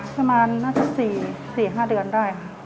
ประมาณ๔๕เดือนได้